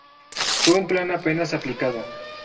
Fue un plan apenas aplicado.